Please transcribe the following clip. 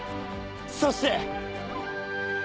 そして。